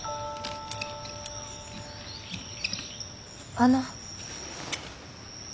あの。